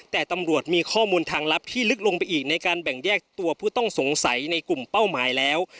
แต่ตำรวจมีข้อมูลทางลับที่ลึกลงไปอีกในการแบ่งแยกตัวผู้ต้องสงสัยในกลุ่มเป้าหมายแล้ว